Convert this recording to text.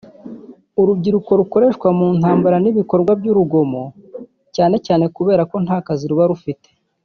Urubyiruko rukoreshwa mu ntambara n’ibikorwa by’urugomo cyane cyane kubera ko nta kazi ruba rufite